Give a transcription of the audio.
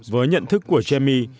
với nhận thức của jamie